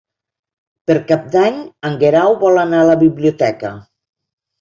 Per Cap d'Any en Guerau vol anar a la biblioteca.